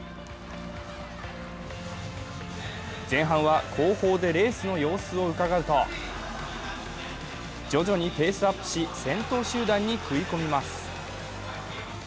前半は、後方でレースの様子をうかがうと徐々にペースアップし、先頭集団に食い込みます。